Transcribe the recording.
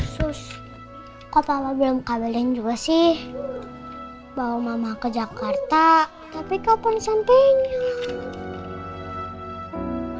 sus kok papa belum kabelin juga sih bawa mama ke jakarta tapi kapan sampenya